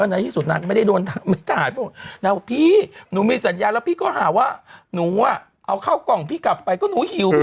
แน่ว่าพี่นุมีสัญญาแล้วพี่ก็หาว่านุอะเอาเข้ากล่องพี่กลับไปก็หนูหิว